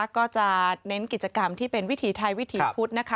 ก็จะเน้นกิจกรรมที่เป็นวิถีไทยวิถีพุทธนะคะ